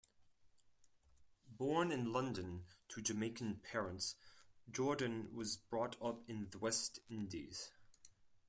Born in London to Jamaican parents, Jordon was brought up in the West Indies.